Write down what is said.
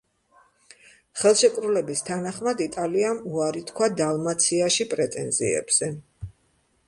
ხელშეკრულების თანახმად იტალიამ უარი თქვა დალმაციაში პრეტენზიებზე.